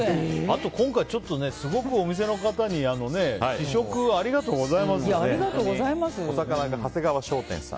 今回ちょっとお店の方に試食ありがとうございます。